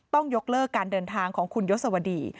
ต้องยกเลิกการเดินทางของคุณยศวดี